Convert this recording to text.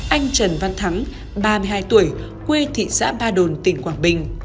anh trần văn thắng ba mươi hai tuổi quê thị xã ba đồn tỉnh quảng bình